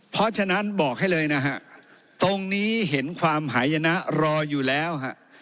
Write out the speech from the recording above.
เพราะฉะนั้นบอกให้เลยนะฮะตรงนี้เห็นความหายนะรออยู่แล้วฮะ